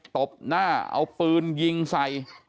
ตบหน้าเอาปืนยิงใส่